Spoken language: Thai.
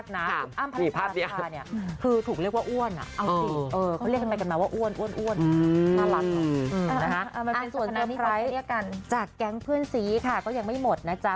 เหมือนเวลาที่เขายกมือขึ้นมานาน